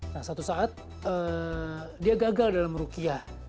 nah suatu saat dia gagal dalam merukiah